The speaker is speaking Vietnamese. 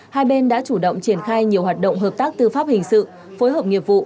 hai bên đã chủ động triển khai nhiều hoạt động hợp tác tư pháp hình sự phối hợp nghiệp vụ